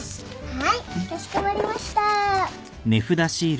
はいかしこまりました。